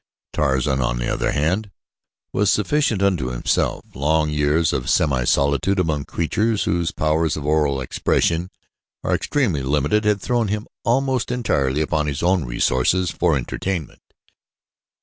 Tarzan, on the other hand, was sufficient unto himself. Long years of semi solitude among creatures whose powers of oral expression are extremely limited had thrown him almost entirely upon his own resources for entertainment.